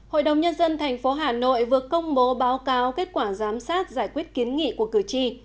hội đồng nhân dân tp hà nội vừa công bố báo cáo kết quả giám sát giải quyết kiến nghị của cử tri